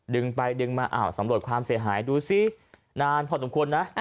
ดึงไปดึงมาอ้าวสำรวจความเสียหายดูสินานพอสมควรนะ